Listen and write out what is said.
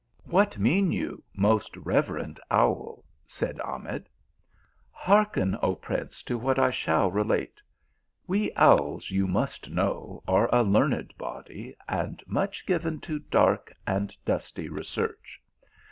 " What mean you, most reverend owl ?" said Ahmed. " Hearken, O prince, to what I shall relate. We owls, you must know, are a learned body, and much given to dark and dusty research.